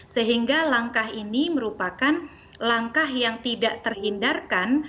sehingga langkah ini merupakan langkah yang tidak terhindarkan